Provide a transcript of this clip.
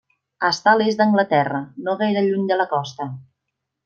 Està a l'Est d'Anglaterra, no gaire lluny de la costa.